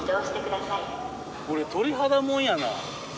これ鳥肌もんやな。